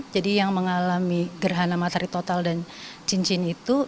jadi yang mengalami gerhana matahari total dan cincin itu